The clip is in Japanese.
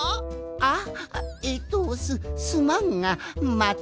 あえっとすすまんがまたでのな。